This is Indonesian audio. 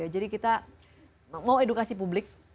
jadi kita mau edukasi publik